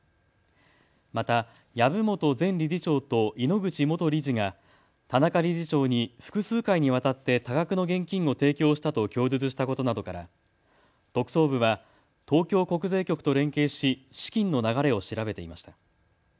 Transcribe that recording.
また籔本前理事長と井ノ口元理事が田中理事長に複数回にわたって多額の現金を提供したと供述したことなどから特捜部は東京国税局と連携し資金の流れを調べていました。